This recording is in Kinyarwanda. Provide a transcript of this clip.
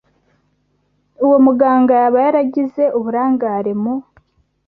uwo muganga yaba yaragize uburangare mu